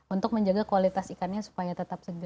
untuk menjaga kualitas ikannya supaya tetap segar